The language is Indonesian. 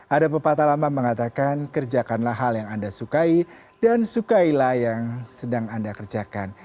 ada pepatah lama mengatakan kerjakanlah hal yang anda sukai dan sukailah yang sedang anda kerjakan